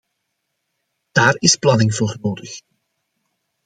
Daar is planning voor nodig.